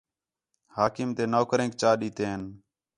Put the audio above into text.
حاکم تے نوکریک چا ݙِتّے ہَن